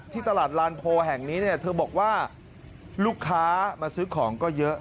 ตลาดลานโพแห่งนี้เนี่ยเธอบอกว่าลูกค้ามาซื้อของก็เยอะ